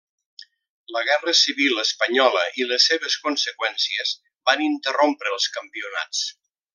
La Guerra Civil Espanyola i les seves conseqüències van interrompre els campionats.